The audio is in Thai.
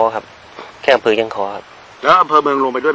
ครับแค่อำเมืองแกล้งขอครับอำเมืองลงไปด้วยมั้ยฮะ